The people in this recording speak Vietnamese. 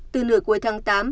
từ nửa cuối tháng tám